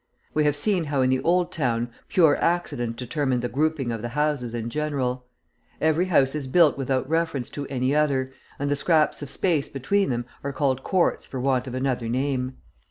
We have seen how in the Old Town pure accident determined the grouping of the houses in general. Every house is built without reference to any other, and the scraps of space between them are called courts for want of another name.